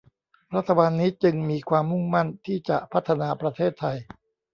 รัฐบาลนี้จึงมีความมุ่งมั่นที่จะพัฒนาประเทศไทย